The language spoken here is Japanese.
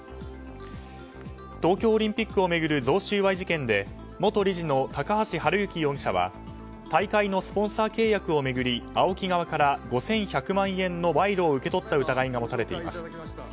東京オリンピックを巡る贈収賄事件で元理事の高橋治之容疑者は大会のスポンサー契約を巡りＡＯＫＩ側から５１００万円の賄賂を受け取った疑いが持たれています。